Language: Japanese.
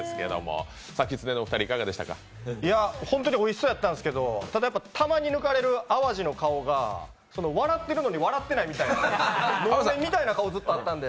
本当においしそうやったんですけど、たまに抜かれる淡路の顔が、笑ってるのに笑ってないみたいな、能面みたいな顔だったんで。